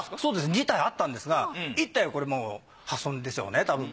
２体あったんですが１体はこれもう破損でしょうねたぶん。